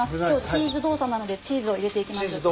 今日チーズドーサなのでチーズを入れていきます。